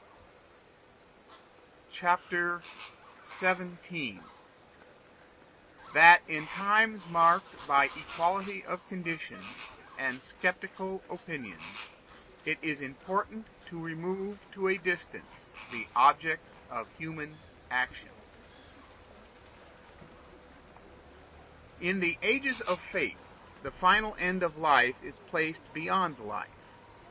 Chapter XVII: That In Times Marked By Equality Of Conditions And Sceptical Opinions, It Is Important To Remove To A Distance The Objects Of Human Actions In the ages of faith the final end of life is placed beyond life.